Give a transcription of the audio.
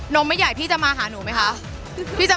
นี่ทำแล้วหรอ